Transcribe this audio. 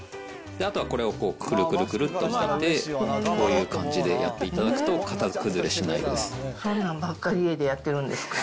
あとはこれをこう、くるくるくるっと巻いて、こういう感じでやっていただくと、型崩れしないです。